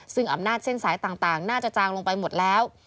ซึ่งอำนาจเส้นสายต่างน่าจะจางลงไปหมดแล้ว